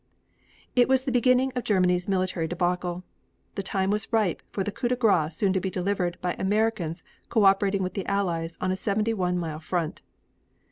It was the beginning of Germany's military debacle. The time was ripe for the coup de grace soon to be delivered by Americans co operating with the Allies on a seventy one mile front.